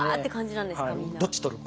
「どっち取る？」